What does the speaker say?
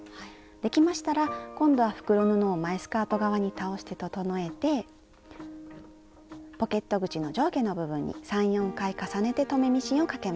できましたら今度は袋布を前スカート側に倒して整えてポケット口の上下の部分に３４回重ねて留めミシンをかけます。